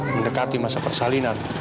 mendekati masa persalinan